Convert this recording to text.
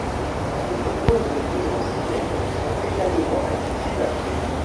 De nombreuses mines amciennes sont également accessibles à pied.